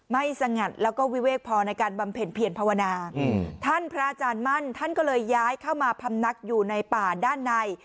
ไม่สงัดแล้วก็วิเวกพอในการบำเพ็ญเพียรภาวนาท่านพระอาจารย์มั่นท่านก็เลยย้ายเข้ามาพำนักอยู่ในป่าด้านใน